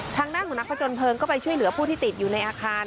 ทางด้านของนักผจญเพลิงก็ไปช่วยเหลือผู้ที่ติดอยู่ในอาคาร